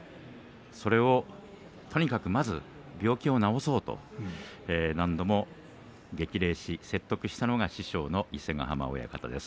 それはまず病気を治そうと何度も激励し説得したのが師匠の伊勢ヶ濱親方です。